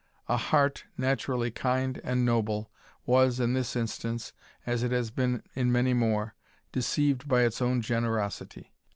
A heart, naturally kind and noble, was, in this instance, as it has been in many more, deceived by its own generosity.